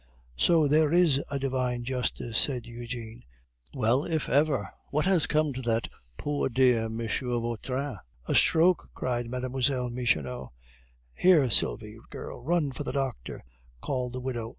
"So there is a Divine Justice!" said Eugene. "Well, if ever! What has come to that poor dear M. Vautrin?" "A stroke!" cried Mlle. Michonneau. "Here, Sylvie! girl, run for the doctor," called the widow.